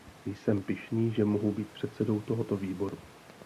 Jsem pyšný, že mohu být předsedou tohoto výboru.